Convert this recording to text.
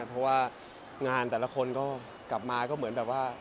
เพราะว่างานแต่ละคนก็กลับมาก็เหมือนแบบว่า